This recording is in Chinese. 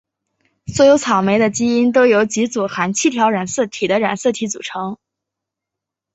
所有草莓的基因都由几组含七条染色体的染色体组构成。